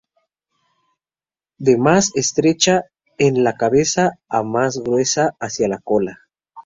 De más estrecha en la cabeza, a más gruesa hacia la cola.